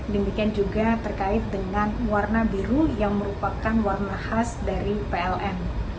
demikian juga terkait dengan warna biru yang merupakan warna khas dari pln